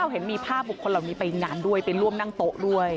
เห็นมีภาพบุคคลเหล่านี้ไปงานด้วยไปร่วมนั่งโต๊ะด้วย